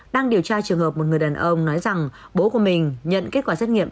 đang điều tra trường hợp một người đàn ông nói rằng bố của mình nhận kết quả xét nghiệm